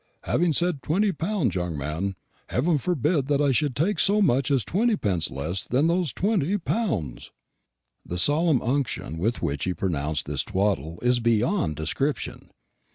Having said twenty pounds, young man, Heaven forbid that I should take so much as twenty pence less than those twenty pounds!" The solemn unction with which he pronounced this twaddle is beyond description.